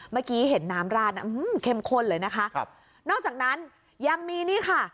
เมื่อกี้เห็นน้ำราดนะเข้มข้นเลยนะคะครับนอกจากนั้นยังมีนี่ค่ะ